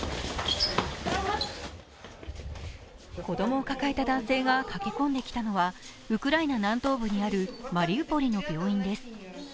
子供を抱えた男性が駆け込んできたのはウクライナ南東部にあるマリウポリの病院です。